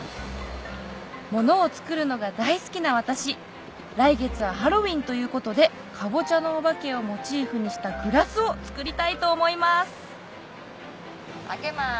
物を作るのが大好きな私来月はハロウィンということでかぼちゃのお化けをモチーフにしたグラスを作りたいと思います開けます。